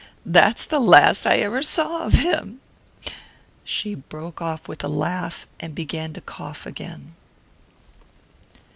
That's the last I ever saw of him." She broke off with a laugh and began to cough again.